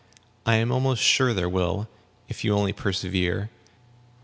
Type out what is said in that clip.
I am almost sure there will, if you only persevere.